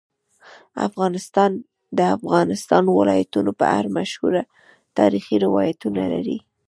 افغانستان د د افغانستان ولايتونه په اړه مشهور تاریخی روایتونه لري.